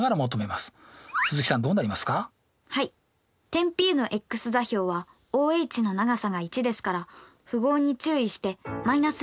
点Ｐのｘ座標はＯＨの長さが１ですから符号に注意して−１です。